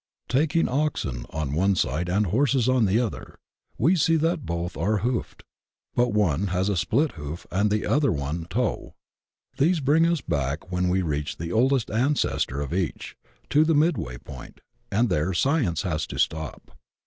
Taking oxen on one side and horses on the other, we see that both are hoofed, but one has a split hoof and the other but one toe. These bring us back, when we reach the oldest ancestor of each, to the midway point, and there Science has to stop.